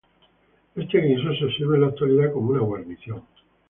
Este guiso se sirve en la actualidad como una guarnición.